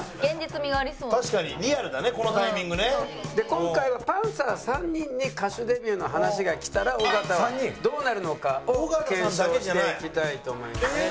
今回はパンサー３人に歌手デビューの話が来たら尾形はどうなるのか？を検証していきたいと思います。